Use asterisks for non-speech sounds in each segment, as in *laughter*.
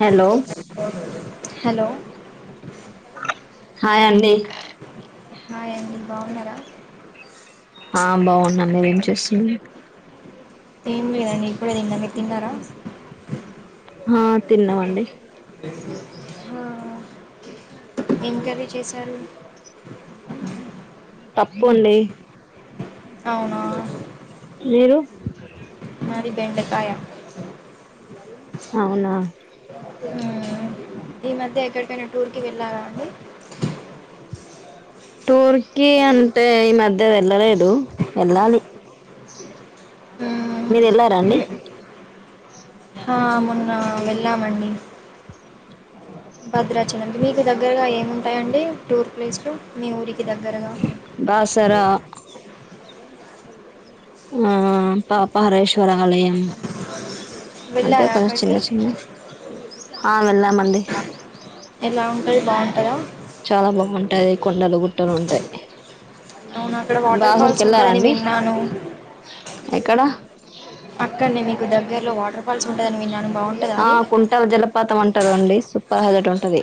Hello hello hi అండి hi అండి బాగున్నారా ఆ బాగున్న మీరేం చేస్తురు ఎం లేదండి ఇప్పుడే తిన్న మీరు తిన్నారా ఆ తిన్నామండి ఇంకా విశేషాలు తప్పుంది అవునా మీరు పిండకాయ అవునా ఈ మధ్య ఎక్కడికైనా టూర్ కి వెళ్ళారా అండి టూర్కీ అంటే ఈ మధ్య వెళ్ళలేదు వెళ్ళాలి మ్మ్. మీరు వెళ్ళారాండి ఆ మొన్న వెళ్ళామండి, భద్రాచల మీకు దగ్గరగా ఏముంటాయండి, టూర్ ప్లేస్లు మీ ఊరికి కి దగ్గరగా బాసర ఆ పా పరేశ్వర ఆలయం అంటే వెళ్ళారా కొం అక్కడికి చిన్న చిన్న ఆ వెళ్ళామండి ఎలా అంకల్ బాగుంటదా చాలా బాగుంటాయి కొండలు గుట్టలు ఉంటాయి అవునా అక్కడ వాటర్ బాసరకి ఫాల్స్ వెళ్ళారా ఉంటందని అండి విన్నాను ఎక్కడ అక్కడనే మీకు దగ్గర్లో వాటర్ఫాల్స్ ఉంటుందని విన్నాను బాగుంటుందా ఆ అది కుంట జలపాతం అంటారు అండి సు పహదటి ఉంటుది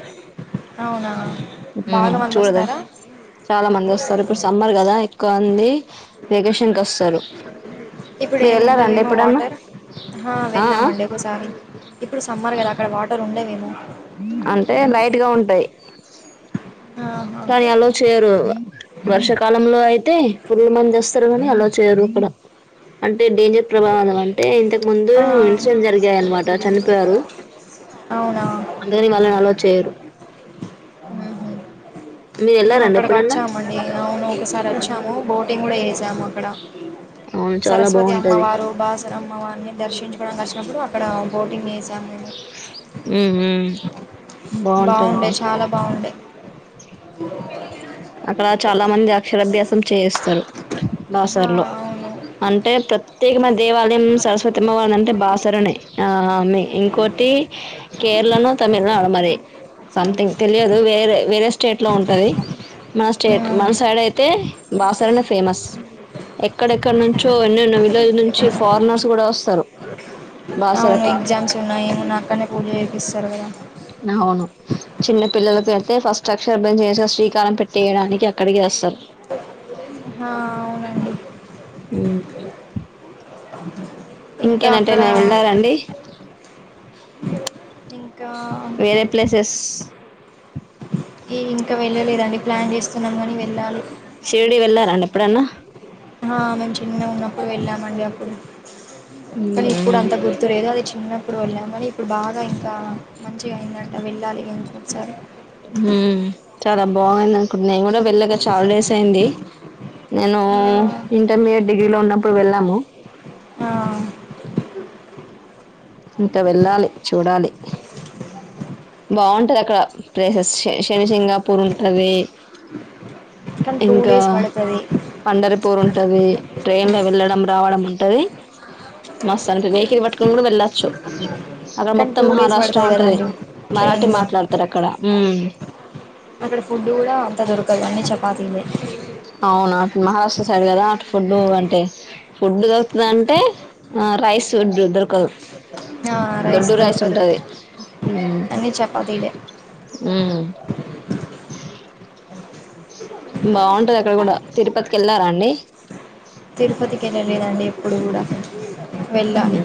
అవునా బాగా మ్ మంది చూడద వస్తారా చాలా మంది వస్తారు, ఇప్పుడు సమ్మర్ కదా ఎక్కువ మంది వెేకేషన్ కి వస్తారు, ఇప్పుడు మీరు ఏమి వెళ్లారండి ఉండవేమో ఎప్పుడన్నా వాటర్ ఆహా, ఆ అ వెళ్ళామండి ఒకసారి ఇప్పుడు సమ్మార్ కద అక్కడ వాటర్ ఉ ఉండవేమో అంటే బయటగా ఉంటాయి ఆహా. కానీ అలా చేయరు వర్షాకాలంలో అయితే ఫుల్ మంది వస్తారు కానీ అలా చేయరు ఇక్కడ అంటే డేంజర్ ప్రభావం అంటే ఇంతకు ముందు ఆ, ఇన్సిడెంట్ జరిగాయి అనమాట చనిపోయారు అవునా అందుకని వాళ్ళని అలో చేయరు మ్మ్హ్మ్. మీరు మేము వెళ్ళారండి అక్కడికి ఎప్పుడన్నా వచ్చామండి నవును ఒకసారి వచ్చాము బో కూడా ా అక్కడ అవును చాలా సరస్వతి బాగుంటది అమ్మవారు బాస్ రమ్మ అన్ని దర్శించుకోవనికి వచ్చినప్పుడు అక్కడ బోటింగ్ చేసాం ఉ బాగుండే చాలా బాగుండే వో అక్కడ చాలా మంది అక్షరాభ్యాసం చేయిస్తారు ఆహా, బాసరులో అవును అంటే ప్రత్యేకమైన దేవాలయం సరస్వతి అమ్మవారి అంటే బాసరునే ఆ ఇంకోొటి కేరళను తమిళనాడు మరి సంథింగ్ తెలియదు వేరే వేరే స్టేట్ లో ఉంటుది మన స్టేట్ మన మ్మ్. సైడ్ అయితే బాసరనే ఫేమస్ ఎక్కడెక్కడ నుంచో ఎన్నోన్నో అవును బాసరకి ఎగ్జామ్స్ ఉన్నాయిమో నా అక్కనే పూజ చేపిస్తారు కదా అవును చిన్న పిల్ల పెడితే ఫస్ట్ అక్షరభం చేసి శ్రీకారం పెట్టేయడానికి అక్కడికి వస్తారు అవునండి అ అ ఇంకేనాంటేనా వెళ్ళారంండి ఇ వేరే ప్లేసెస్ ఏ ఇంకా వెళ్ళలేదండి ప్లాన్ చేస్తున్నాము కాని వెళ్ళాలి శిర్డి వెళ్ళారాన్నడి ఎప్పుడన్నా ఆ మంచి చిన్న ఉన్నా ప్పు వెళ్ళామండి అప్పుడు కానీ ఇ కూడా అంత గుర్తులేదు అది చిన్న ఇప్పుడు వెళ్ళం. కాని ఇప్పుడు బాగా ఆ మంచిగాందని ఇలా వెళ్ళాలి. అని కూర్చోలి. ఉ చాలా బాగుంది అనుకుంటుంది. నేను కూడా వెళ్ళగా చాలా డేస్ అయింది. నేను ఇంటర్మీడియేట్. డిగ్రీలో ఉన్నప్పుడు వెళ్ళాము. ఆ ఇంకా వెళ్ళాలి. చూడాలి. బాగుంటది అక్కడ. ప్లేసెస్ శని శంగాపూర్ ఉంటది. కానీ టూ ఇంకా డేస్ పడుతది పండరిపూరు ఉంటది. ట్రైన్ లో వెళ్ళడం రావడం ఉంటది. మస్తు అంటది వెకిల్ పట్టుకని కూడా వెళ్ళస్త చ్చు అక్కడ మొత్తం మహారాష్ట్ర ఉంటది. మరాఠీ ట్రైన్ లో. మాట్లాడతారు అక్కడ ఉమ్ అక్కడ పుడ్ కూడా అంతా దొరకదు. పన్నీర్, చపాతీ లే అవునా.. అ మహారాష్ట్ర సైడ్ కదా. అటు పుడ్ అంటే పుడ్ దొరుకుతుంది. అంటే రైస్ పుడ్ దొరకదు. ఆ దొడ్డు రైస్ దొరకదు ఉంటది. అన్నీ చపాతీలే *inaudible* బాగుంటది. అక్కడ కూడా తిరుపతికి వెళ్ళారా అండి. తిరుపతికి లేదండి. ఎప్పుడు కూడా వెళ్ళాలి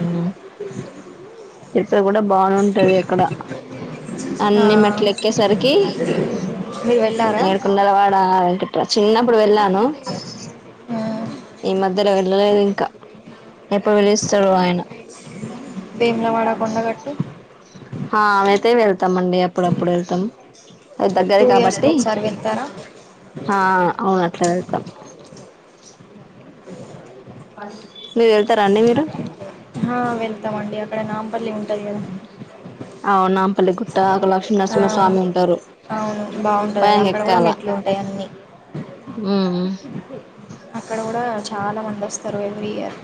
తిరుపతి కూడా బానే ఉంటంది అక్కడ. అన్ని మెట్లు ఎక్కేసరికి మీరు వెళ్ళారా ఏడుకొండల వాడ చిన్నప్పుడు వెళ్ళాను. ఈ మధ్యలో వెళ్ళలేదు ఇంకా. ఎప్పుడు వెళ్ళనిస్తాడో ఆయన వేములవాడ, కొండగట్టు. హ అవయితే వెళ్తామండి. అప్పుడప్పుడు వెళ్తాం. అది దగ్గర టూ ఇయర్స్కి కాబట్టి. ఒకసారి వెళ్తారా ఆ అవునట్లా వెళ్తాం. మీ వెళ్తారా అండిరాండి మీరు. వెళ్తామండి అక్కడ నాంపల్లి ఉంటుంది కదా అవు నాంపల్లి గుట్ట అక్కడ లక్ష్మీనరసింహ స్వామి ఉంటారు. అవును బాగుంటుంది అది పైకి అక్కడ కూడా ఎక్కాలి. మెట్లు ఉంటాయి అన్నీ *inaudible* అక్కడ కూడా చాలా మంది వస్తారు. ఎవ్రి ఇయర్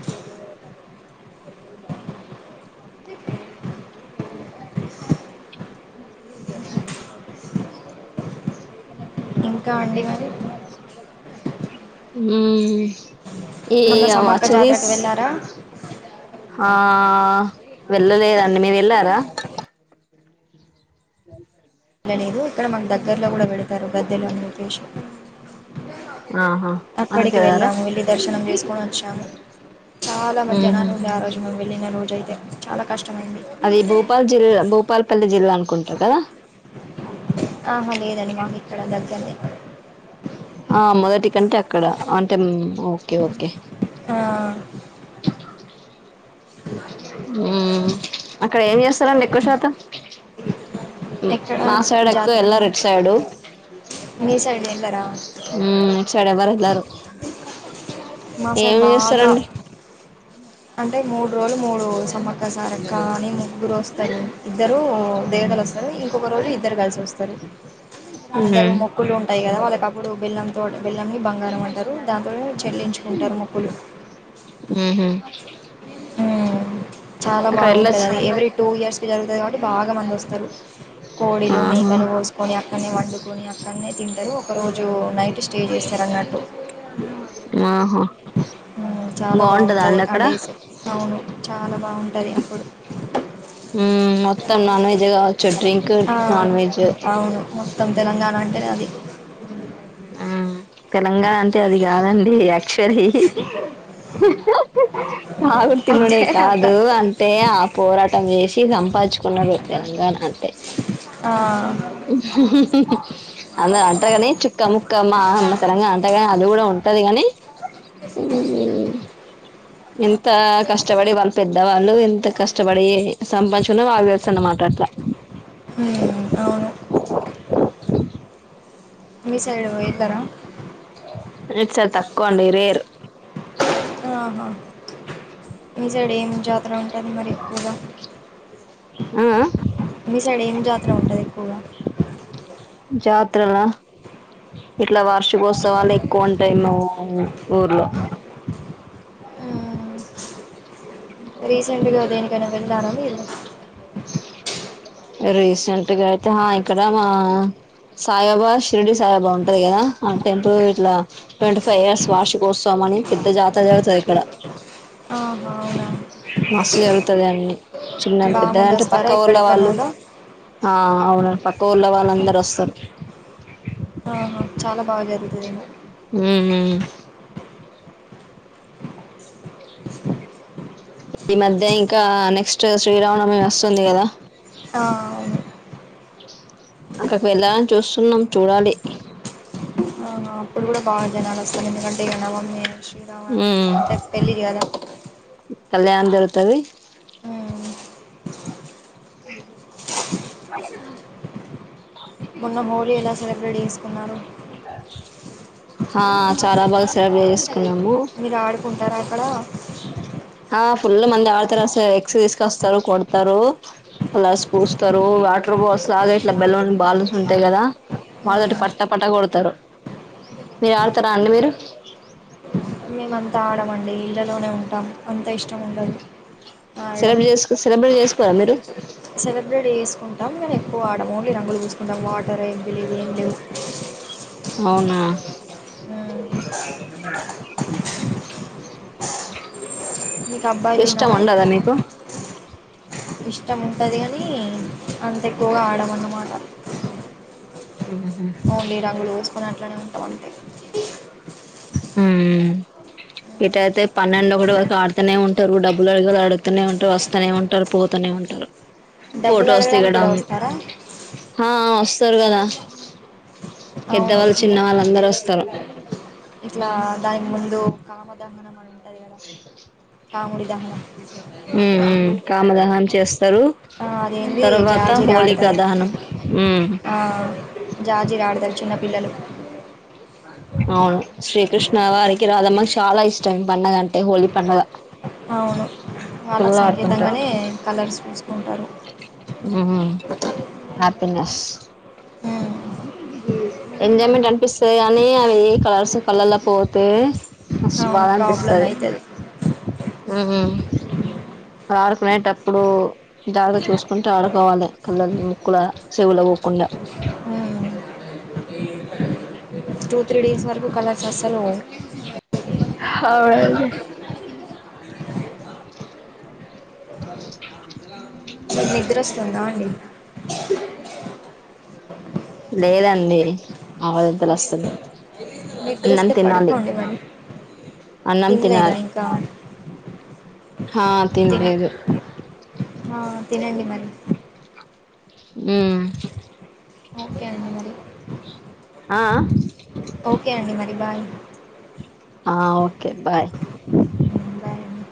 ఇంకా అండి. మరి ఉ ఏ మొన్న అ సమ్మక్క వచ్చ తీస్ జాతరకు వెళ్ళారా ఆ వెళ్ళలేదండి. మీరు వెళ్ళారా? వెళ్లలేదు. ఇక్కడ మాకు దగ్గర్లో కూడా వెళతారు. గద్దెలు అని రూపేష్ ఆహా అక్కడికి అక్కడకి వెళ్ళారా వెళ్ళాము వెల్లి దర్ దర్శనం చేసుకొని వచ్చాము చాలా మంది మ్మ్ జనాలుండే ఆ రోజు మేమ్ వెళ్లిన రో అ చాలా కష్టమైంది అది భూపల్ జిల్లా భూపాలపెల్లి జిల్లా అనుకుంటా కదా ఆహా లేదండి మాకు ఇక్కడ దగ్గర్నె ఆ మొదటికంటే అక్కడ అంటే ముం ఓకే ఓకే ఆ ఊ అక్కడ ఏం చేస్ కదండి ఎక్కువశాతం ఎక్కడ మా సైడ్ ఎక్కువ జాతర ఎళ్లరు ఇటు సైడు మీ సైడ్ వెళ్ళరా ఊ ఇటు సైడ్ ఎవరు ఎళ్లరు మా సైడ్ ఏం బాగా చేస్తారండి అంటే మూడు రోజులు మూడు సమ్మక్క సారక్క అని ముగ్గురు వస్తారు ఇద్దరు ఇప్పుడు దేవతలు వస్తారు ఇంకొక రోజు ఇద్దరు కలిసి వస్తారు మ్మ్ అందరు మొక్కులు ఉం ఉంటాయి కదా వాళ్ళకప్పుడు బెల్లంతో బెల్లంని బంగారం అంటారు దాంతో చెల్లించుకుంటారు మొక్కులు ఉహు చాలా బాగుంటది అది ఎవ్ ర్రీ టూ ఇయర్స్ కి జరుగుతది కాబట్టి బాగా మంది వస్తరు కోడిలు ఆహా మేకలు కోసుకొని అక్కన్నే వండుకొని అ అన్నీ తింటరు ఒకరోజు నైటు స్టే చేస్తరు అన్నట్టు ఆహా ఆ చాలా బాగుంటదా బాగుంటది అండి అక్కడ ఆడేస్ అవును చాలా బాగుంటది అప్పుడు ఊ మొత్తం నాన్ వెజ్జు కావచ్చు డ్రింక్ ఆ నాన్ వెజ్జు అవును మొత్తం తెలంగాణ అంటేనే అది ఊ తెలంగాణ అంటే అది కాదండీ యా చ్చల్లీ తాగుడు తినుడే అంటే అట్లా కాదు అంటే ఆ పోరాటం చేసి సంపాదించుకున్నారు తెలంగాణ అంటే ఆ అందరు అంటరుగని చుక్క ముక్క మా అమ్మ సడన్గా అంటగని అది కూడా ఉంట అంతేగనీ ఊ ఎంతా కష్టపడి వాళ్ళు పెద్దవాళ్ళు ఎంత కష్ కష్టపడి సంపాదించూకున్న వాళ్ళు తెలుసన్నమాట అట్లా హ్మ్ అవును మీ సైడ్ వెళ్ళారా ఇటు సైడు తక్కువండి రేర్ ఆహా మీసైడ్ ఎం జాత ఉంటది మరి ఎక్కువగా ఆ మీ సైడ్ ఏం జాతర ఉంటది ఎక్కువగా జాత్రలా ఇట్లా వార్ష కోత్సవాలు ఎక్కువ ఉంటాయి ను అవు ఊర్లో ఊ రీసెంట్గా దేనికైనా వెళ్ళారా మీరు రీసెంట్ గా అయితే హా ఇక్కడ మా సాయిబా షిర్డి సాయిబా ఉంటది కదా ఆ టెంపుల్ ఇట్లా ట్వంటీ ఫైవ్ ఇయర్స్ వార్షికోత్సవమని పెద్ద జాతర జరుగుతది ఇక్కడ ఆహా అవునా మస్తు జరుగుతది అండీ చిన్న బాగా పెద్ద మంది అంటే వస్తారా పక్క ఊళ్ళ ఎక్కడెక్కడ వాళ్ళు నుండో ఆ అవునండి పక్క ఊళ్ళ వాళ్ళ అందరు వస్తారు ఆహా చాలా బాగా జరు పోయినాం ఉ ఊ ఈ మధ్య ఇంకా నెక్స్ట్ శ్రీరామనవమి వస్తుంది కదా ఆ అక్కడికి వెళ్దాం చూస్తున్నాం చూడాలి బా జనాలు వస్తారు ఎందుకంటే ఇగ నవమి శ్రీరామ హుమ్ అంటే పెళ్ళి కదా కళ్యాణం జరుగుతది మ్మ్. లు ఎలా సెలబ్రేట్ చేసుకున్నారు హా చాలా బాగా సెలబ్రేట్ చేసుకున్నాము మీరు ఆడుకుంటారా అక్కడ ఆ ఫుల్ మంది ఆడతార ఎక్స్ తీసుకొస్తారు కొడతారు ప్లస్ పూస్తారు వాటర్ బాల్స్ లాగా ఇట్లా బెలూన్ బాల్స్ బాల్స్ ఉంటాయి కదా వాళ్ళతోటి మ్మ్. పట్టా పట్టా కొడతారు మీరు ఆడతారా అండి మీరు మేమంతా ఆడమండి ఇళ్లలోనే ఉంటాం అంత ఇష్టం ఇష్టముండదు సెలబ్రేట్ చేస్కో సెలబ్రేట్ చేసుకోరా మీరు అవున్గని ఎక్కువ ఆడం ఓన్లీ రంగు పూసుకుంటాం వాటర్ ఏం లేవు అవునా మ్మ్. మీకు ఇ అబ్బాయిలు ఇష్టం ఉన్నారా ఉండదా మీకు ఇష్టం ఉంటుంది కానీ అంత ఎక్కువగా ఆడమ అన్నమాట వోన్ లి రంగులు మన అట్లానే ఉంటం అంతే ఏట పన్నెండు ఒకటి ఆడుతనే ఉంటాది ఉంటారు డబ్బులు అడగ అడుగుతూనే ఉంటారు వస్తూనే ఉంటారు పోతూనే ఉంటారు డబ్బులు ఫోటో వస్తాయి అడగడానికి కడ కూడా వస్తారా ఆ వస్తారు కదా అవును పెద్దవాళ్ళు చిన్న వాళ్ళు అందరు వస్తారు ఇట్లా దానికి ముందు కామ దహనం అని అదేకదా కాముడి దహనం ఉమ్ ఉమ్ కామదహనం చేస్తారు ఆ అదేంది తర్వాత జార్జిరి హోలికా ఆడతారు దహనం ఊ ఆ జార్జిరి ఆడతారు చిన్నపిల్లలు అవును శ్రీకృష్ణ వారికి రాదమ్మకి చాలా ఇష్టం పం డుగ అంటే హోలీ పండుగ అవును వాళ్ళకు ఆడుకుంటారు సంకేతంగానే కలర్స్ పూసుకుంటారు. ఉమ్ హ్యాపీనెస్ ఉమ్ ఎంజాయ్మెంట్ అనిపిస్తాది కానీ అవి కలర్స్ కళ్ళలో పోతే మస్త్ బాధ అవును ప్రాబ్లం అనిపిస్తాది అయితది హు హు రాడుకునేటప్పు ఇప్పుడు దాగ చూసుకుంటు ఆడుకోవాలి ముక్కల చెవుల పోకుండా ఉహు టూ త్రీ డేస్ వరకు అసలు అవునండి అ *unintelligible* *unintelligible* నిద్ర వస్తుందా అండి *unintelligible* లేదండి ఆవలింతలు వస్తున్నాయి నిద్ర అన్నం వస్తే తినాలి పడుకోండి మరి అన్నం తినలేదా తినాలి ఇంకా *inaudible* ఆ తినలేదు ఆ తినండి మరి ఉమ్ ఓకే అండి అ ఆ ఓకే అండి మరి బాయ్ ఆ ఓకే బాయ్ బాయ్ అండి